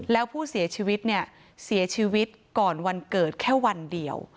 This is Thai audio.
แล้วผู้เสียชีวิตเนี่ยเสียชีวิตก่อนวันเกิดแค่วันเดียว